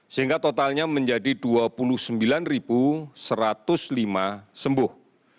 sehingga totalnya menjadi dua puluh sembilan satu ratus lima sembuh